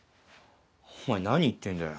お前何言ってんだよ。